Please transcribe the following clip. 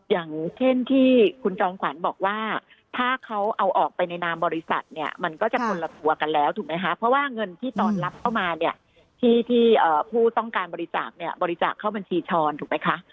อย่างเช่นที่คุณจอมขวัญบอกว่าถ้าเขาเอาออกไปในนามบริษัทเนี่ยมันก็จะคนละตัวกันแล้วถูกไหมคะเพราะว่าเงินที่ตอนรับเข้ามาเนี่ยที่ผู้ต้องการบริจาคเนี่ยบริจาคเข้าบัญชีช้อนถูกไหมคะ